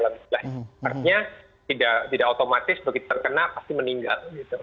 artinya tidak otomatis begitu terkena pasti meninggal